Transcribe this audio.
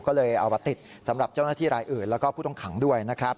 ก็เลยเอามาติดสำหรับเจ้าหน้าที่รายอื่นแล้วก็ผู้ต้องขังด้วยนะครับ